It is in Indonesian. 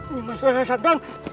ini mas rara santang